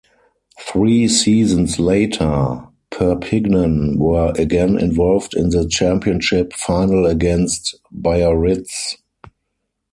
Three seasons later Perpignan were again involved in the Championship final against Biarritz.